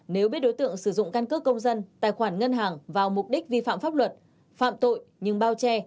nếu biết đối tượng sử dụng căn cước công dân tài khoản ngân hàng vào mục đích vi phạm pháp luật phạm tội nhưng bao che